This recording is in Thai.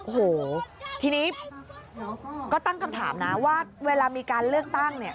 โอ้โหทีนี้ก็ตั้งคำถามนะว่าเวลามีการเลือกตั้งเนี่ย